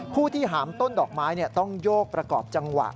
ผู้ที่หามต้นดอกไม้ต้องโยกประกอบจังหวะ